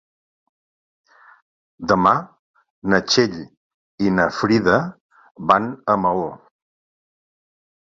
Demà na Txell i na Frida van a Maó.